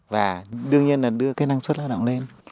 và đương nhiên là đưa cái năng suất lao động lên